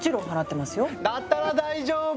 だったら大丈夫！